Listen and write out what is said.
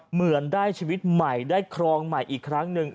เหมือนได้ชีวิตใหม่ได้ครองใหม่อีกครั้งหนึ่ง